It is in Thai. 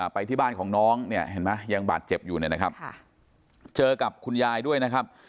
ไปที่บ้านของน้องเนี่ยเห็นไหมยังบาดเจ็บอยู่เนี่ยนะครับเจอกับคุณยายด้วยนะครับ